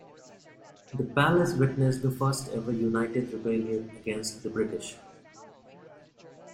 The palace witnessed the first ever united rebellion against the British.